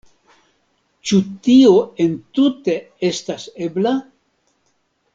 Ĉu tio entute estas ebla?